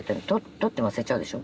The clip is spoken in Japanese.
撮って忘れちゃうでしょ。